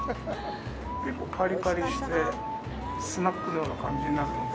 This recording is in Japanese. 結構パリパリしてスナックのような感じになるので。